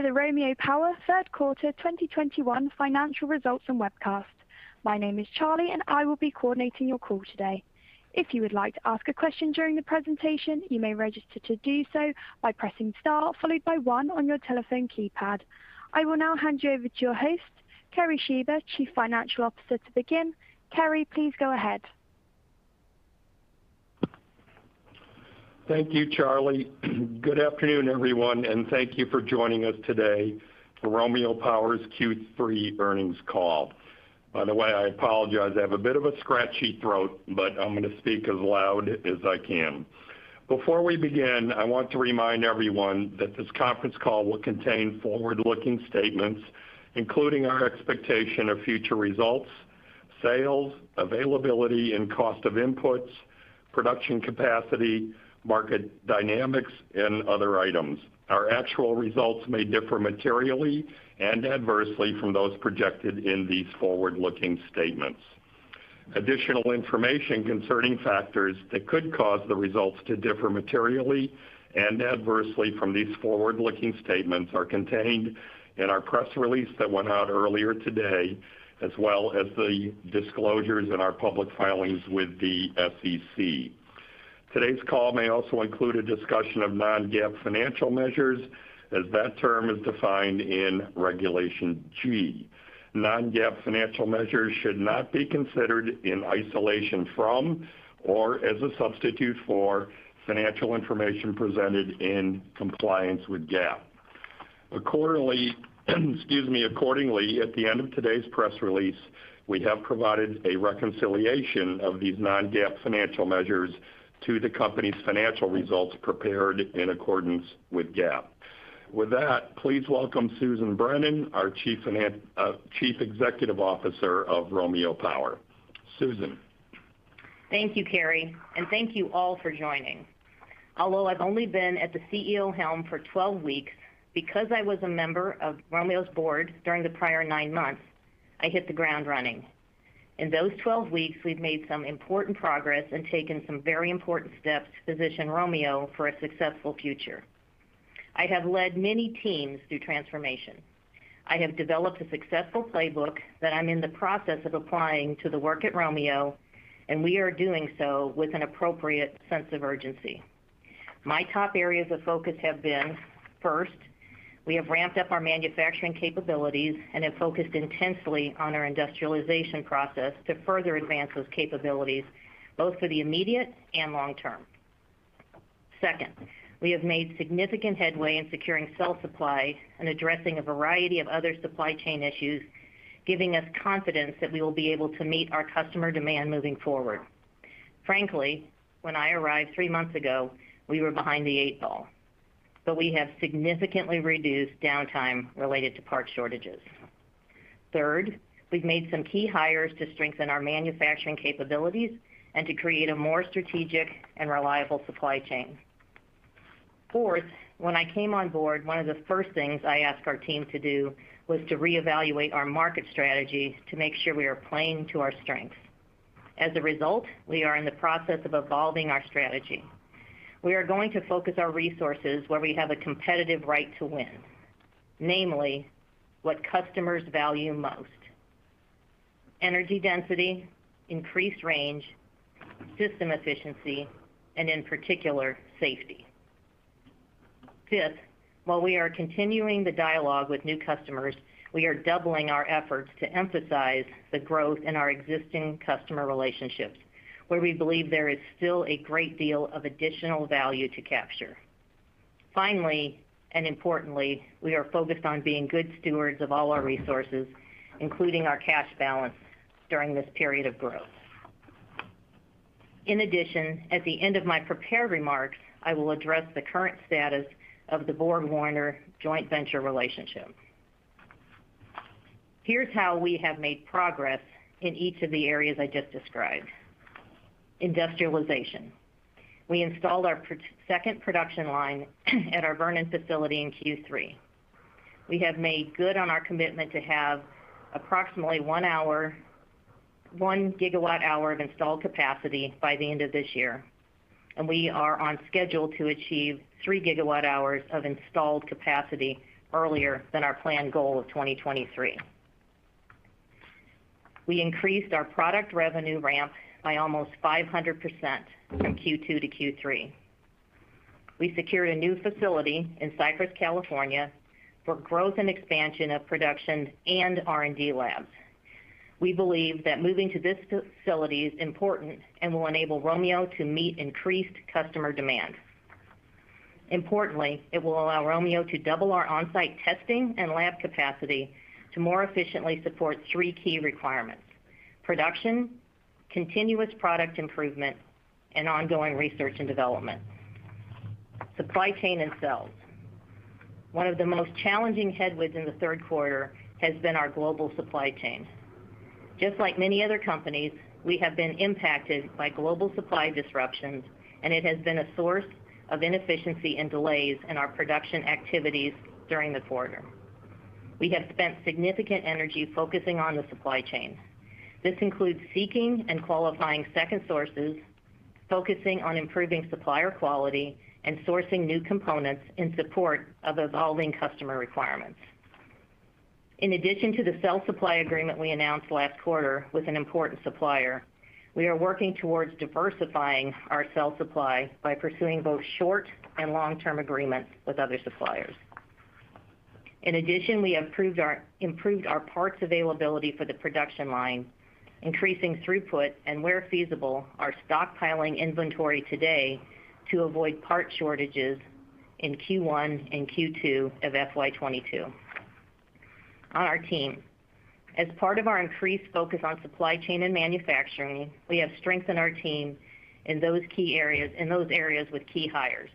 To the Romeo Power third quarter 2021 financial results and webcast. My name is Charlie, and I will be coordinating your call today. If you would like to ask a question during the presentation, you may register to do so by pressing star followed by one on your telephone keypad. I will now hand you over to your host, Kerry Shiba, Chief Financial Officer to begin. Kerry, please go ahead. Thank you, Charlie. Good afternoon, everyone, and thank you for joining us today for Romeo Power's Q3 earnings call. By the way, I apologize. I have a bit of a scratchy throat, but I'm gonna speak as loud as I can. Before we begin, I want to remind everyone that this conference call will contain forward-looking statements, including our expectation of future results, sales, availability, and cost of inputs, production capacity, market dynamics, and other items. Our actual results may differ materially and adversely from those projected in these forward-looking statements. Additional information concerning factors that could cause the results to differ materially and adversely from these forward-looking statements are contained in our press release that went out earlier today, as well as the disclosures in our public filings with the SEC. Today's call may also include a discussion of non-GAAP financial measures, as that term is defined in Regulation G. Non-GAAP financial measures should not be considered in isolation from or as a substitute for financial information presented in compliance with GAAP. Accordingly, at the end of today's press release, we have provided a reconciliation of these non-GAAP financial measures to the company's financial results prepared in accordance with GAAP. With that, please welcome Susan Brennan, our Chief Executive Officer of Romeo Power. Susan. Thank you, Kerry, and thank you all for joining. Although I've only been at the CEO helm for 12 weeks, because I was a member of Romeo's board during the prior 9 months, I hit the ground running. In those 12 weeks, we've made some important progress and taken some very important steps to position Romeo for a successful future. I have led many teams through transformation. I have developed a successful playbook that I'm in the process of applying to the work at Romeo, and we are doing so with an appropriate sense of urgency. My top areas of focus have been, first, we have ramped up our manufacturing capabilities and have focused intensely on our industrialization process to further advance those capabilities, both for the immediate and long term. Second, we have made significant headway in securing cell supply and addressing a variety of other supply chain issues, giving us confidence that we will be able to meet our customer demand moving forward. Frankly, when I arrived three months ago, we were behind the eight ball, but we have significantly reduced downtime related to part shortages. Third, we've made some key hires to strengthen our manufacturing capabilities and to create a more strategic and reliable supply chain. Fourth, when I came on board, one of the first things I asked our team to do was to reevaluate our market strategy to make sure we are playing to our strengths. As a result, we are in the process of evolving our strategy. We are going to focus our resources where we have a competitive right to win. Namely, what customers value most. Energy density, increased range, system efficiency, and in particular, safety. Fifth, while we are continuing the dialogue with new customers, we are doubling our efforts to emphasize the growth in our existing customer relationships, where we believe there is still a great deal of additional value to capture. Finally, and importantly, we are focused on being good stewards of all our resources, including our cash balance during this period of growth. In addition, at the end of my prepared remarks, I will address the current status of the BorgWarner joint venture relationship. Here's how we have made progress in each of the areas I just described. Industrialization. We installed our second production line at our Vernon facility in Q3. We have made good on our commitment to have approximately 1 GWh of installed capacity by the end of this year, and we are on schedule to achieve 3 GWh of installed capacity earlier than our planned goal of 2023. We increased our product revenue ramp by almost 500% from Q2 to Q3. We secured a new facility in Cypress, California, for growth and expansion of production and R&D labs. We believe that moving to this facility is important and will enable Romeo to meet increased customer demand. Importantly, it will allow Romeo to double our on-site testing and lab capacity to more efficiently support three key requirements, production, continuous product improvement, and ongoing research and development. Supply chain and sales. One of the most challenging headwinds in the third quarter has been our global supply chain. Just like many other companies, we have been impacted by global supply disruptions, and it has been a source of inefficiency and delays in our production activities during the quarter. We have spent significant energy focusing on the supply chain. This includes seeking and qualifying second sources, focusing on improving supplier quality, and sourcing new components in support of evolving customer requirements. In addition to the cell supply agreement we announced last quarter with an important supplier, we are working towards diversifying our cell supply by pursuing both short and long-term agreements with other suppliers. In addition, we improved our parts availability for the production line, increasing throughput, and where feasible, are stockpiling inventory today to avoid part shortages in Q1 and Q2 of FY 2022. On our team. As part of our increased focus on supply chain and manufacturing, we have strengthened our team in those key areas with key hires.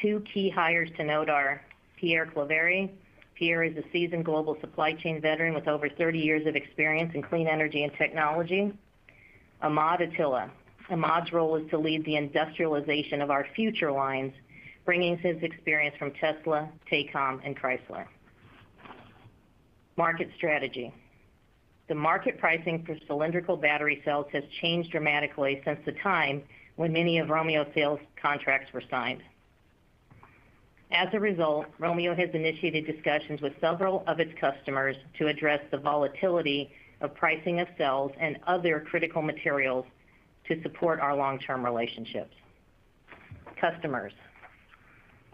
Two key hires to note are Pierre Claverie. Pierre is a seasoned global supply chain veteran with over 30 years of experience in clean energy and technology. Ahmad Attila. Ahmad's role is to lead the industrialization of our future lines, bringing his experience from Tesla, Tecom, and Chrysler. Market strategy. The market pricing for cylindrical battery cells has changed dramatically since the time when many of Romeo's sales contracts were signed. As a result, Romeo has initiated discussions with several of its customers to address the volatility of pricing of cells and other critical materials to support our long-term relationships. Customers.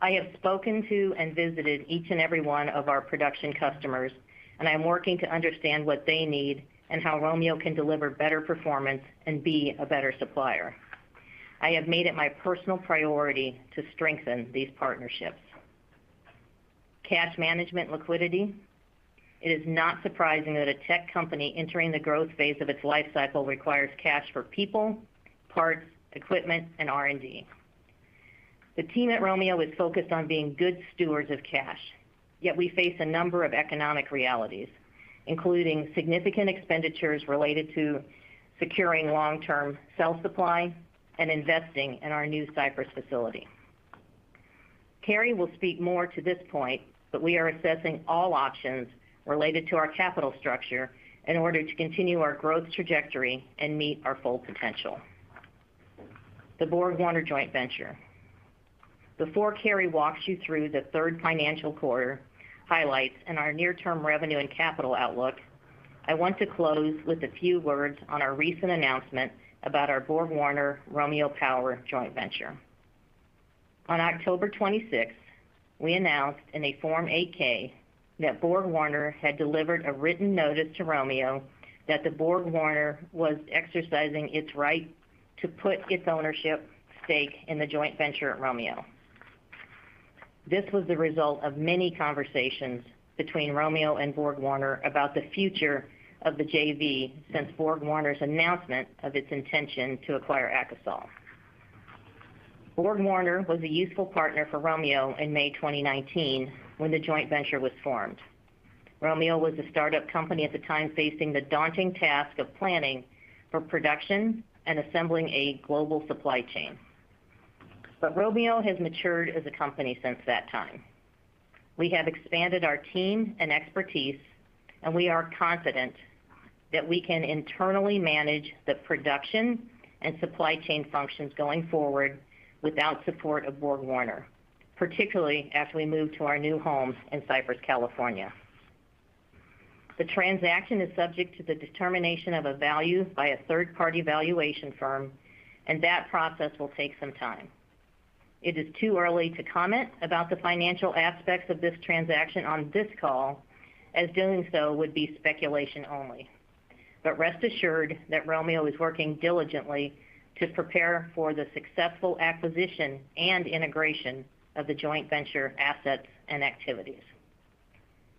I have spoken to and visited each and every one of our production customers, and I'm working to understand what they need and how Romeo can deliver better performance and be a better supplier. I have made it my personal priority to strengthen these partnerships. Cash management liquidity. It is not surprising that a tech company entering the growth phase of its life cycle requires cash for people, parts, equipment, and R&D. The team at Romeo is focused on being good stewards of cash, yet we face a number of economic realities, including significant expenditures related to securing long-term cell supply and investing in our new Cypress facility. Kerry will speak more to this point, but we are assessing all options related to our capital structure in order to continue our growth trajectory and meet our full potential. The BorgWarner Joint Venture. Before Kerry walks you through the third financial quarter highlights and our near-term revenue and capital outlook, I want to close with a few words on our recent announcement about our BorgWarner Romeo Power joint venture. On October twenty-sixth, we announced in a Form 8-K that BorgWarner had delivered a written notice to Romeo that BorgWarner was exercising its right to put its ownership stake in the joint venture at Romeo. This was the result of many conversations between Romeo and BorgWarner about the future of the JV since BorgWarner's announcement of its intention to acquire Akasol. BorgWarner was a useful partner for Romeo in May 2019 when the joint venture was formed. Romeo was a startup company at the time facing the daunting task of planning for production and assembling a global supply chain. Romeo has matured as a company since that time. We have expanded our team and expertise, and we are confident that we can internally manage the production and supply chain functions going forward without support of BorgWarner, particularly as we move to our new home in Cypress, California. The transaction is subject to the determination of a value by a third-party valuation firm, and that process will take some time. It is too early to comment about the financial aspects of this transaction on this call, as doing so would be speculation only. Rest assured that Romeo is working diligently to prepare for the successful acquisition and integration of the joint venture assets and activities.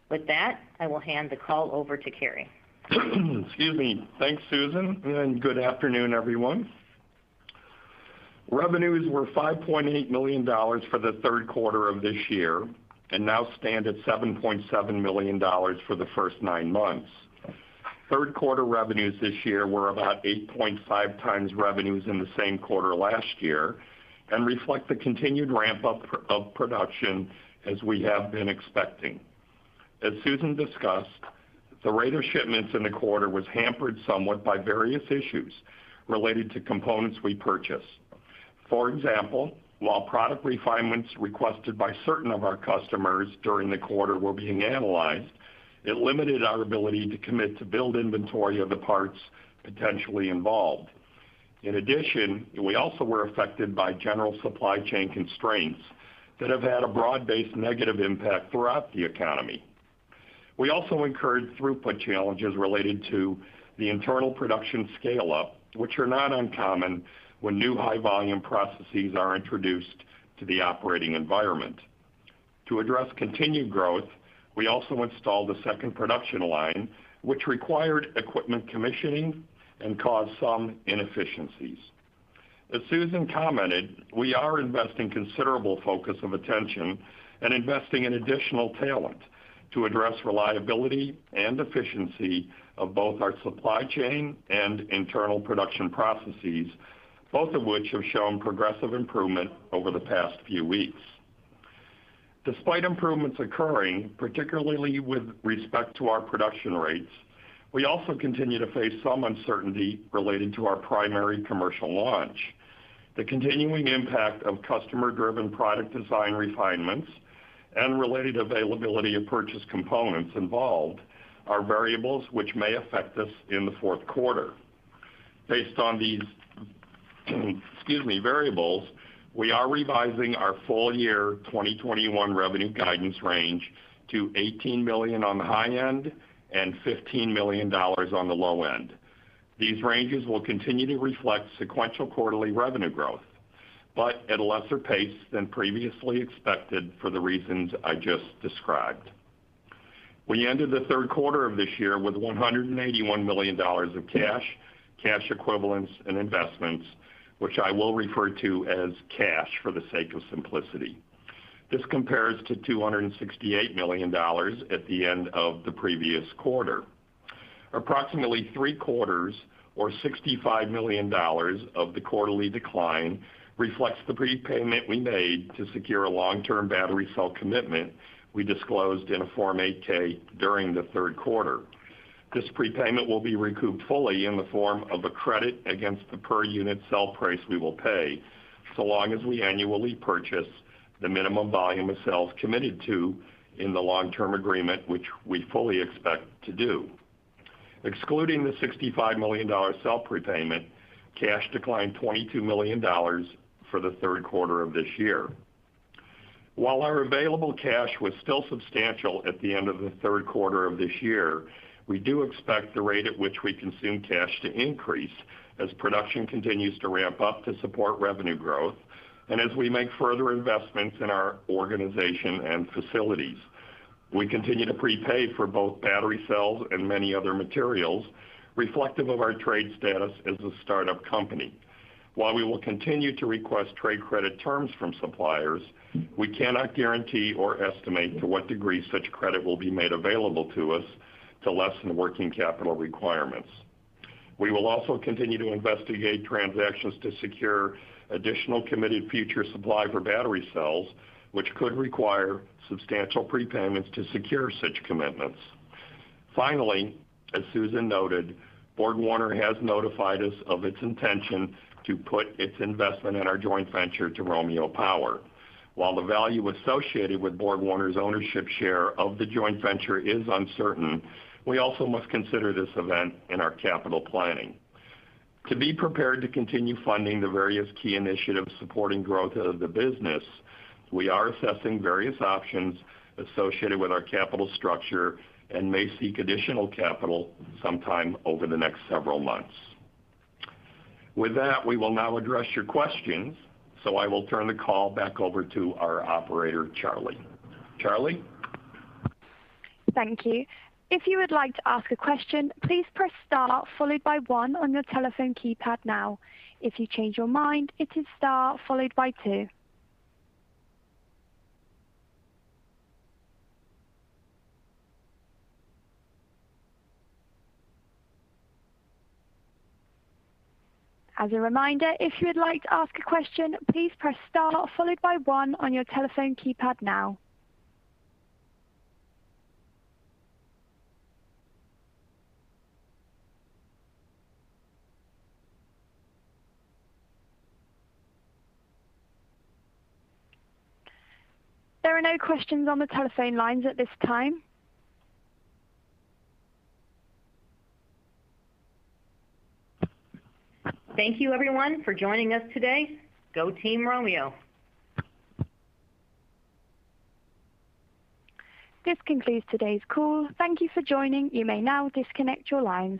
With that, I will hand the call over to Kerry. Excuse me. Thanks, Susan, and good afternoon, everyone. Revenues were $5.8 million for the third quarter of this year, and now stand at $7.7 million for the first nine months. Third quarter revenues this year were about 8.5x revenues in the same quarter last year and reflect the continued ramp up production as we have been expecting. As Susan discussed, the rate of shipments in the quarter was hampered somewhat by various issues related to components we purchase. For example, while product refinements requested by certain of our customers during the quarter were being analyzed, it limited our ability to commit to build inventory of the parts potentially involved. In addition, we also were affected by general supply chain constraints that have had a broad-based negative impact throughout the economy. We also incurred throughput challenges related to the internal production scale-up, which are not uncommon when new high volume processes are introduced to the operating environment. To address continued growth, we also installed a second production line, which required equipment commissioning and caused some inefficiencies. As Susan commented, we are investing considerable focus of attention and investing in additional talent to address reliability and efficiency of both our supply chain and internal production processes, both of which have shown progressive improvement over the past few weeks. Despite improvements occurring, particularly with respect to our production rates, we also continue to face some uncertainty related to our primary commercial launch. The continuing impact of customer-driven product design refinements and related availability of purchased components involved are variables which may affect us in the fourth quarter. Based on these variables, we are revising our full year 2021 revenue guidance range to $18 million on the high end and $15 million on the low end. These ranges will continue to reflect sequential quarterly revenue growth, but at a lesser pace than previously expected for the reasons I just described. We ended the third quarter of this year with $181 million of cash equivalents and investments, which I will refer to as cash for the sake of simplicity. This compares to $268 million at the end of the previous quarter. Approximately three quarters or $65 million of the quarterly decline reflects the prepayment we made to secure a long-term battery cell commitment we disclosed in a Form 8-K during the third quarter. This prepayment will be recouped fully in the form of a credit against the per unit cell price we will pay, so long as we annually purchase the minimum volume of cells committed to in the long-term agreement, which we fully expect to do. Excluding the $65 million cell prepayment, cash declined $22 million for the third quarter of this year. While our available cash was still substantial at the end of the third quarter of this year, we do expect the rate at which we consume cash to increase as production continues to ramp up to support revenue growth and as we make further investments in our organization and facilities. We continue to prepay for both battery cells and many other materials reflective of our trade status as a start-up company. While we will continue to request trade credit terms from suppliers, we cannot guarantee or estimate to what degree such credit will be made available to us to lessen working capital requirements. We will also continue to investigate transactions to secure additional committed future supply for battery cells, which could require substantial prepayments to secure such commitments. Finally, as Susan noted, BorgWarner has notified us of its intention to put its investment in our joint venture with Romeo Power. While the value associated with BorgWarner's ownership share of the joint venture is uncertain, we also must consider this event in our capital planning. To be prepared to continue funding the various key initiatives supporting growth of the business, we are assessing various options associated with our capital structure and may seek additional capital sometime over the next several months. With that, we will now address your questions, so I will turn the call back over to our operator, Charlie. Charlie? Thank you. If you would like to ask a question, please press star followed by one on your telephone keypad now. If you change your mind, it is star followed by two. As a reminder, if you would like to ask a question, please press star followed by one on your telephone keypad now. There are no questions on the telephone lines at this time. Thank you everyone for joining us today. Go team Romeo. This concludes today's call. Thank you for joining. You may now disconnect your lines.